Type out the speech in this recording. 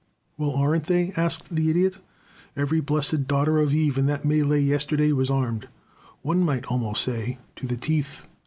"Well, aren't they?" asked the Idiot. "Every blessed daughter of Eve in that mêlée yesterday was armed, one might almost say, to the teeth.